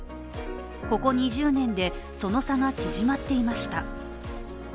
ここ２０年でその差が縮まっていました。